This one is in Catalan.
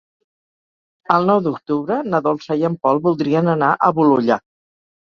El nou d'octubre na Dolça i en Pol voldrien anar a Bolulla.